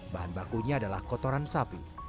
bahan bakunya adalah kotoran sapi